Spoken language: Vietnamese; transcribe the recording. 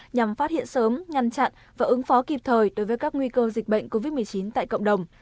nhằm phát hiện sớm ngăn chặn và ứng phó kịp thời đối với các nguy cơ dịch bệnh covid một mươi chín tại cộng đồng